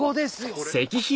これ？